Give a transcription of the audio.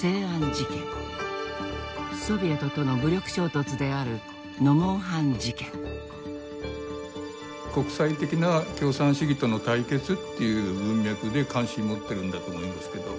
ソビエトとの武力衝突であるノモンハン事件。っていう文脈で関心持ってるんだと思いますけど。